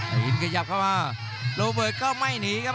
หินขยับเข้ามาโรเบิร์ตก็ไม่หนีครับ